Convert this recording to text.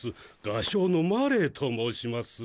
画商のマレーと申します